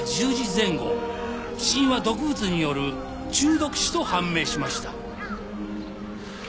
死因は毒物による中毒死と判明しました。